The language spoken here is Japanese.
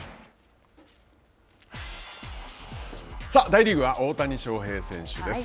大リーグは大谷翔平選手です。